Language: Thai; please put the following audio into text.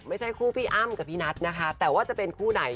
ไม่ใช่คู่พี่อ้ำกับพี่นัทนะคะแต่ว่าจะเป็นคู่ไหน